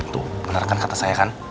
tuh bener kan kata saya kan